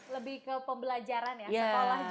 lebih ke pembelajaran ya sekolah juga